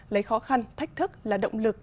lấy khó khăn thách thức là động lực